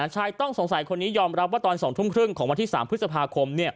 ชายต้องสงสัยคนนี้ยอมรับว่าตอน๒ทุ่มครึ่งของวันที่๓พฤษภาคม